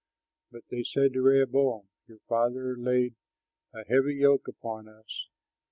But they said to Rehoboam, "Your father laid a heavy yoke upon us.